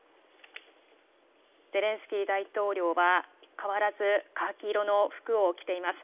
ゼレンスキー大統領は変わらずカーキ色の服を着ています。